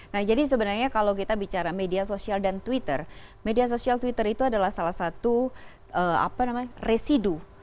nah jadi sebenarnya kalau kita bicara media sosial dan twitter media sosial twitter itu adalah salah satu residu